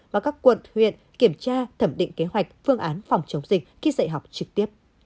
và các quận huyện kiểm tra thẩm định kế hoạch phương án phòng chống dịch khi dạy học trực tiếp